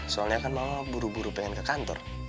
soalnya kan mama buru buru pengen ke kantor